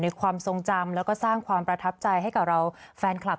ความทรงจำแล้วก็สร้างความประทับใจให้กับเราแฟนคลับ